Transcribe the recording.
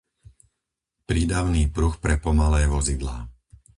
prídavný pruh pre pomalé vozidlá